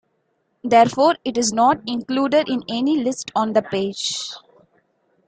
Therefore, it is not included in any list on the page.